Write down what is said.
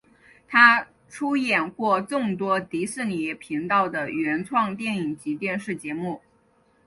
他出演过众多迪士尼频道的原创电影及电视节目。